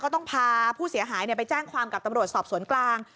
ต้องพาผู้เสียหายไปแจ้งความกับตำรวจสอบสวนกลาง